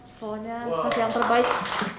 pokoknya kasih yang terbaik